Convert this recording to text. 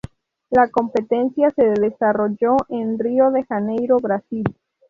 La competencia se desarrolló en Rio de Janeiro, Brasil.